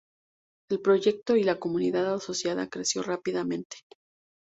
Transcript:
El proyecto y la comunidad asociada creció rápidamente.